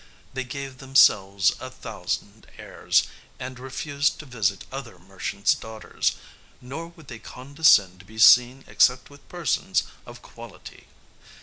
They gave themselves a thousand airs, and refused to visit other merchants' daughters; nor would they condescend to be seen except with persons of quality.